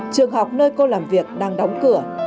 trường học nơi cô làm việc đang đóng cửa